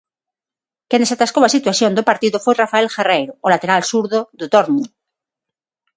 Quen desatascou a situación do partido foi Rafael Guerreiro, o lateral zurdo do Dortmund.